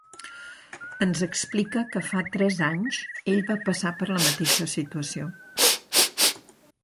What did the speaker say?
Ens explica que fa tres anys ell va passar per la mateixa situació.